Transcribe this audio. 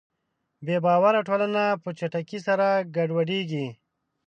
بېباوره ټولنه په چټکۍ سره ګډوډېږي.